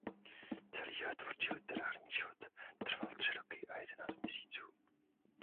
Celý jeho tvůrčí literární život trval tři roky a jedenáct měsíců.